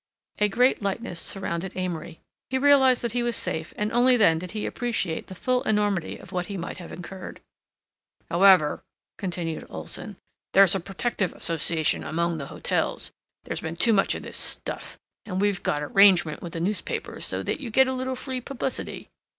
A great lightness surrounded Amory. He realized that he was safe and only then did he appreciate the full enormity of what he might have incurred. "However," continued Olson, "there's a protective association among the hotels. There's been too much of this stuff, and we got a 'rangement with the newspapers so that you get a little free publicity.